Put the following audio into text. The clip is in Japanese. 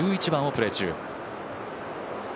１１番をプレー中。